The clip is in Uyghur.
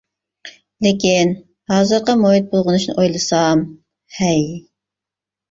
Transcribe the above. لېكىن ھازىرقى مۇھىت بۇلغىنىشىنى ئويلىسام. ھەي!